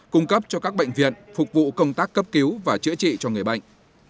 cung cấp cho các bệnh viện phục vụ công tác cấp cứu và chữa trị cho người bệnh